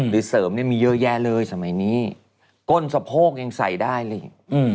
หรือเสริมมีเยอะแยะเลยสมัยนี้ก้นสะโพกยังใส่ได้เลย